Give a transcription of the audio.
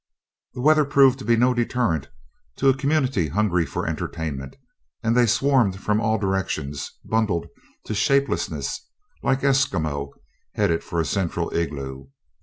The weather proved to be no deterrent to a community hungry for entertainment, and they swarmed from all directions, bundled to shapelessness, like Esquimaux headed for a central igloo.